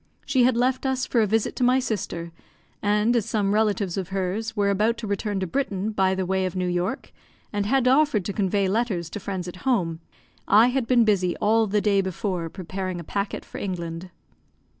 She had left us for a visit to my sister, and as some relatives of hers were about to return to Britain by the way of New York, and had offered to convey letters to friends at home, I had been busy all the day before preparing a packet for England.